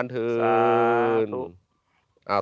ถูก